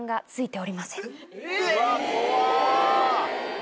お。